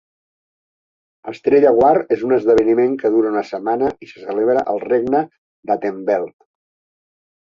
Estrella War és un esdeveniment que dura una setmana i se celebra al Regne d'Atenveldt.